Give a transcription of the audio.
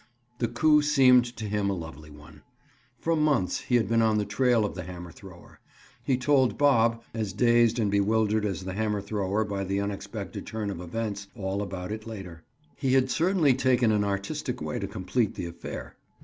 The coup seemed to him a lovely one. For months he had been on the trail of the hammer thrower. He told Bob—as dazed and bewildered as the hammer thrower by the unexpected turn of events—all about it later. He had certainly taken an artistic way to complete the affair.